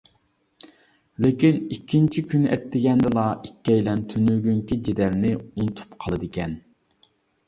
لېكىن ئىككىنچى كۈنى ئەتىگەندىلا ئىككىيلەن تۈنۈگۈنكى جېدەلنى ئۇنتۇپ قالىدىكەن.